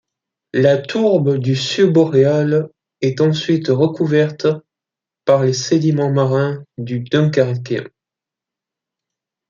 La tourbe du Subboréal est ensuite recouverte par les sédiments marins du Dunkerquien.